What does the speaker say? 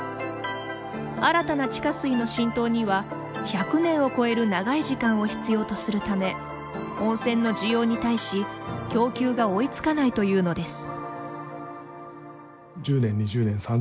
新たな地下水の浸透には１００年を超える長い時間を必要とするため温泉の需要に対し供給が追いつかないというのです。